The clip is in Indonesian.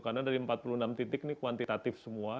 karena dari empat puluh enam titik ini kuantitatif semua